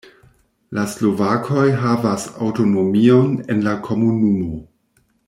La slovakoj havas aŭtonomion en la komunumo.